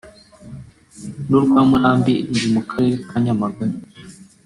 n’urwa Murambi ruri mu Karere ka Nyamagabe